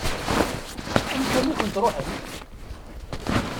Amek armi i kent-ṛuḥent?